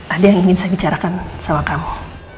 ada yang ingin saya bicarakan sama kamu